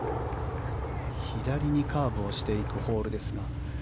左にカーブしていくホールですが。